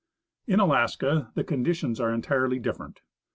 In Alaska the conditions are entirely different.